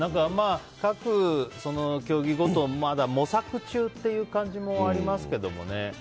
各競技ごと、まだ模索中という感じもありますけどね。